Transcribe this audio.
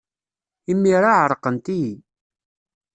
Imir-a, ɛerqent-iyi.